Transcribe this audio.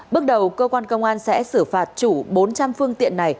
bước đầu cơ quan công an sẽ xử phạt chủ bốn trăm linh phương tiện này